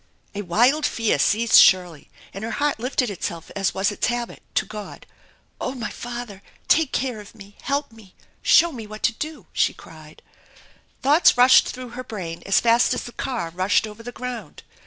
A wild fear seized Shirley, and her heart lifted itself as was its habit, to God. " Oh, my Father ! Take care of me I Help me ! Show me what to do !" she cried. Thoughts rushed through her brain as fast as the car rushed over the ground.